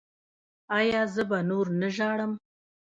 ایا زه به نور نه ژاړم؟